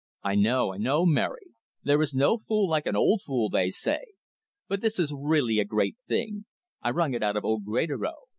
"I know, I know, Mary. There is no fool like an old fool, they say. But this is really a great thing. I wrung it out of old Greatorex.